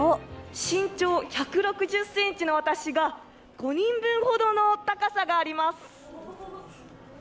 身長１６０センチの私が５人分ほどの高さがあります。